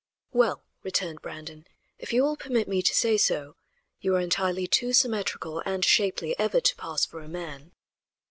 "Well," returned Brandon, "if you will permit me to say so, you are entirely too symmetrical and shapely ever to pass for a man."